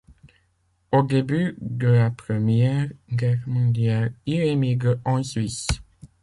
Au début de la Première Guerre mondiale, il émigre en Suisse.